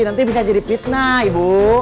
nanti bisa jadi fitnah ibu